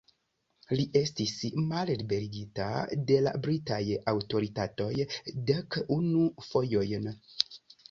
Li estis malliberigita de la britaj aŭtoritatoj dek unu fojojn.